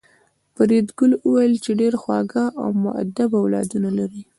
فریدګل وویل چې ډېر خواږه او مودب اولادونه لرې